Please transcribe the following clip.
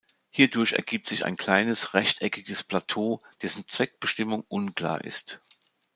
Hierdurch ergibt sich ein kleines rechteckiges Plateau, dessen Zweckbestimmung unklar ist.